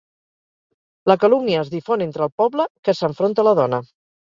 La calúmnia es difon entre el poble, que s'enfronta a la dona.